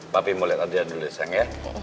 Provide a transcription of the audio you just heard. papi mau liat hadiah dulu sang